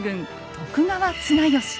徳川綱吉。